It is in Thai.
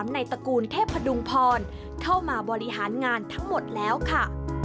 ในตระกูลเทพดุงพรเข้ามาบริหารงานทั้งหมดแล้วค่ะ